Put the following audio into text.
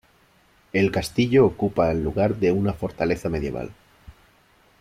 El castillo ocupa el lugar de una fortaleza medieval.